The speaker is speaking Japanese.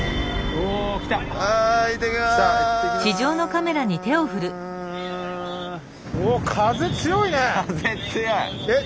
おお風強いね！